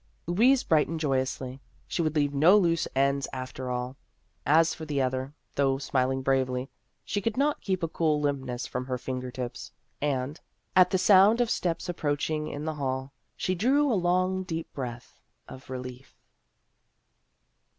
Louise brightened joyously ; she would leave no loose ends after all. As for the other, though smiling bravely, she could not keep a cool limpness from her finger tips, and, at the sound of steps approach ing in the hall, she drew a long deep breath of relief.